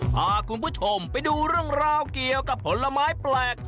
พาคุณผู้ชมไปดูเรื่องราวเกี่ยวกับผลไม้แปลก